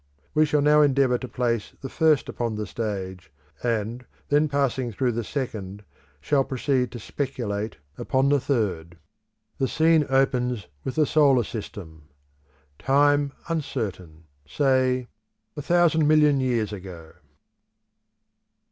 We shall now endeavour to place the first upon the stage, and, then passing through the second, shall proceed to speculate upon the third. The scene opens with the solar system. Time uncertain; say, a thousand million years ago.